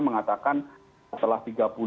mengatakan setelah tiga puluh